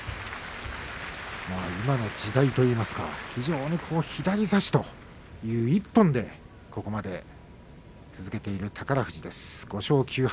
今の時代といいますか非常に左差し一本でここまで続けている宝富士、５勝９敗。